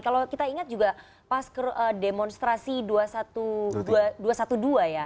kalau kita ingat juga pas demonstrasi dua puluh satu dua ya